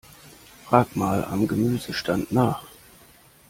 Frag mal am Gemüsestand nach.